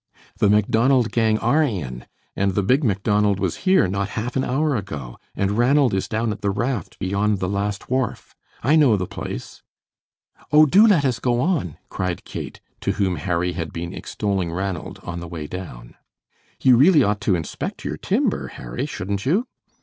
"The Macdonald gang are in, and the Big Macdonald was here not half an hour ago, and Ranald is down at the raft beyond the last wharf. I know the place." "Oh, do let us go on!" cried Kate, to whom Harry had been extolling Ranald on the way down. "You really ought to inspect your timber, Harry, shouldn't you?"